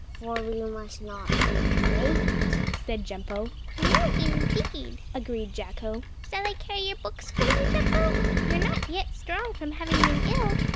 "For we must not be late," said Jumpo. "No, indeed," agreed Jacko. "Shall I carry your books for you, Jumpo? You are not yet strong from having been ill."